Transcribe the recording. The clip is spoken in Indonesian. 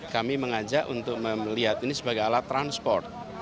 kami mengajak untuk melihat ini sebagai alat transport